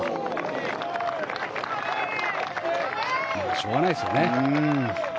しょうがないですよね。